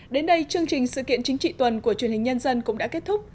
đến đây chương trình sự kiện chính trị tuần của truyền hình nhân dân cũng đã kết thúc